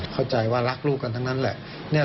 เข้าใจว่ารักลูกกันทั้งนั้นแหละ